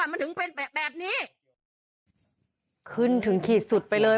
มันถึงเป็นแบบนี้ขึ้นถึงขีดสุดไปเลย